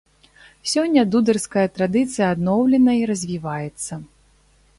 Сёння дударская традыцыя адноўлена і развіваецца.